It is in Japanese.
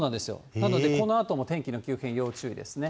ただね、このあとも天気の急変に要注意ですね。